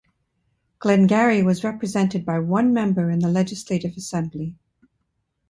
Glengarry was represented by one member in the Legislative Assembly.